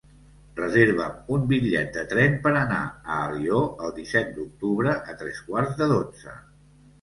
Reserva'm un bitllet de tren per anar a Alió el disset d'octubre a tres quarts de dotze.